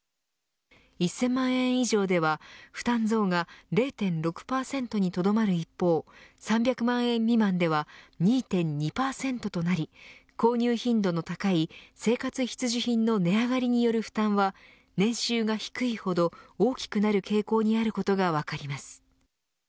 １０００万円以上では負担増が０．６％にとどまる一方３００万円未満では２．２％となり購入頻度の高い生活必需品の値上がりによる負担は年収が低いほど大きくなる傾向にあることが分かります。